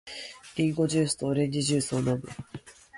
リンゴジュースとオレンジジュースを飲む。